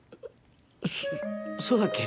そそうだっけ？